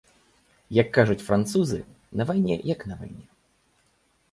Як кажуць французы, на вайне як на вайне.